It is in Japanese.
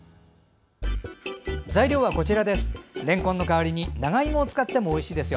材料はこちらです。